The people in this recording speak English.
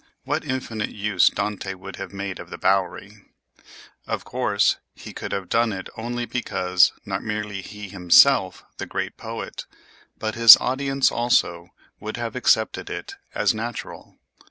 What infinite use Dante would have made of the Bowery! Of course, he could have done it only because not merely he himself, the great poet, but his audience also, would have accepted it as natural.